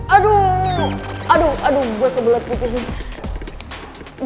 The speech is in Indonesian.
aduh aduh aduh gue kebelet pipis nih